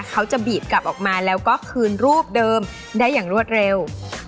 เขาจะบีบกลับออกมาแล้วก็คืนรูปเดิมได้อย่างรวดเร็ว